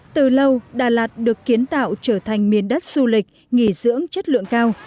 từ lâu đà lạt được kiến tạo trở thành miền đất du lịch nghỉ dưỡng chất lượng cao